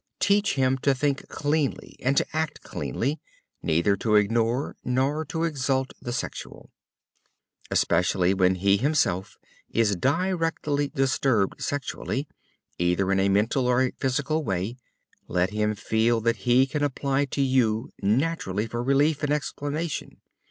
Teach him to think cleanly and to act cleanly, neither to ignore nor to exalt the sexual. Especially, when he himself is directly disturbed sexually, either in a mental or physical way, let him feel that he can apply to you naturally for relief and explanation.